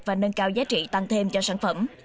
và nâng cao giá trị tăng thêm cho sản phẩm